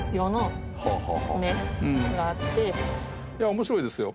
面白いですよ。